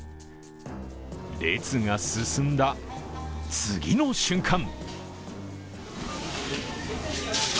列が進んだ次の瞬間